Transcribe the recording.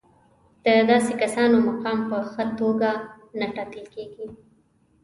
د داسې کسانو مقام په ښه توګه نه ټاکل کېږي.